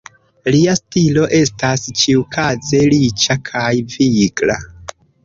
Lia stilo estas, ĉiukaze, riĉa kaj vigla.